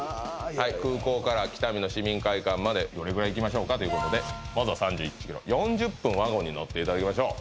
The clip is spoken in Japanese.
空港から北見の市民会館までどれぐらい行きましょうかということでまずは３１ｋｍ４０分ワゴンに乗っていただきましょう